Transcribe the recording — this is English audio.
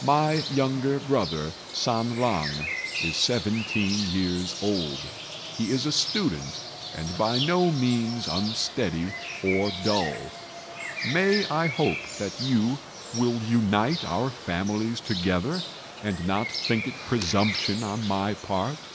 My younger brother, San lang, is seventeen years old. He is a student, and by no means unsteady or dull. May I hope that you will unite our families together, and not think it presumption on my part?"